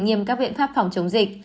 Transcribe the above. nghiêm các biện pháp phòng chống dịch